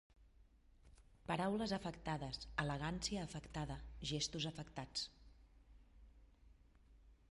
Paraules afectades, elegància afectada, gestos afectats.